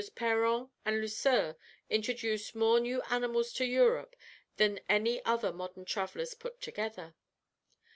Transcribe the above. Péron and Lesueur introduced more new animals to Europe than all other modern travellers put together.